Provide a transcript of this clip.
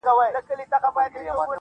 دوو یارانو ته په سرو سترګو ګویا سو-